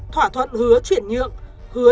thỏa thuận hứa chuyển nhượng hứa